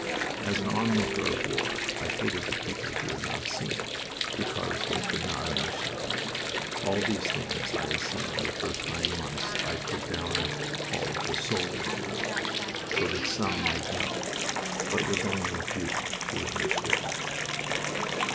As an onlooker of war I hated the people who had not seen, because they could not understand. All these things I had seen in the first nine months I put down in a book called The Soul of the War, so that some might know; but it was only a few who understood....